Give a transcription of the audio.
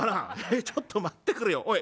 えっちょっと待ってくれよおい！